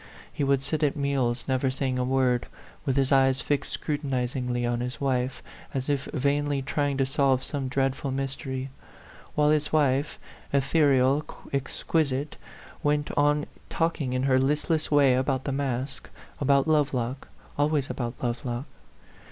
He would sit at meals never saying a word, with his eyes fixed scrutinizingly on his wife, as if vainly trying to solve some dreadful mys tery ; while his wife, ethereal, exquisite, went on talking in her listless way about the masque, about Lovelock, always about Love lock.